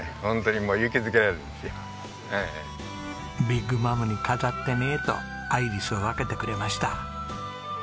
「ビッグマムに飾ってね」とアイリスを分けてくれました。